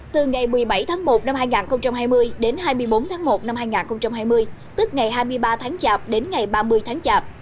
từ ngày một mươi bảy tháng một năm hai nghìn hai mươi đến hai mươi bốn tháng một năm hai nghìn hai mươi tức ngày hai mươi ba tháng chạp đến ngày ba mươi tháng chạp